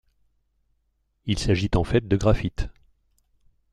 Il s'agit en fait de graphite.